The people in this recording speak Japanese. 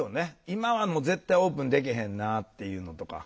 今はもう絶対オープンでけへんなっていうのとか。